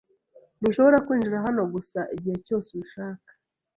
Ntushobora kwinjira hano gusa igihe cyose ubishaka.